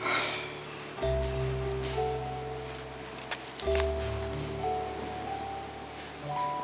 io berpikir karena dia sedang kekasih gak mau belong